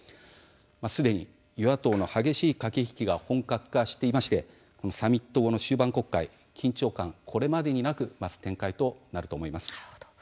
すでに与野党の激しい駆け引きが本格化していましてサミット後の終盤国会緊張感がこれまでになく増す展開となりそうです。